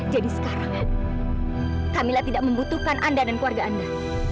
jadi sekarang kamila tidak membutuhkan anda dan keluarga anda